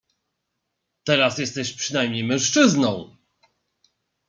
"Teraz jesteś przynajmniej mężczyzną!"